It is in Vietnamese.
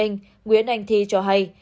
nguyễn anh thi cho hay